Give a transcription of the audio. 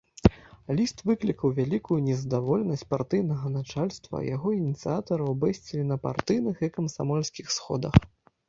Ліст выклікаў вялікую незадаволенасць партыйнага начальства, яго ініцыятараў бэсцілі на партыйных і камсамольскіх сходах.